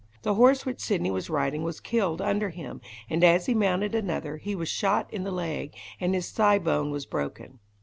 The horse which Sidney was riding was killed under him, and as he mounted another, he was shot in the leg, and his thigh bone was broken.